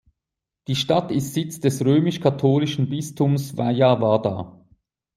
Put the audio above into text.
Die Stadt ist Sitz des römisch-katholischen Bistums Vijayawada.